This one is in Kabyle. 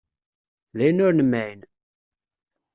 D ayen ur nemεin.